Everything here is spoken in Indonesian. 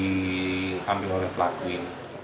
diambil oleh pelakuin